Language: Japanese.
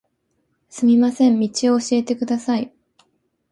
すみません、道を教えてください